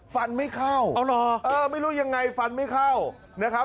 ฟันไม่เข้าอ๋อเหรอเออไม่รู้ยังไงฟันไม่เข้านะครับ